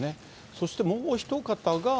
そしてもうひと方が。